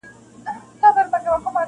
ماښامه سره جام دی په سهار کي مخ د یار دی-